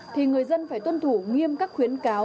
thì người dân phải tuân thủ nghiêm các khuyến cáo